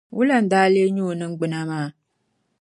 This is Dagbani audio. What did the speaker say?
Wula n-daa leei nyɛ o ningbuna maa?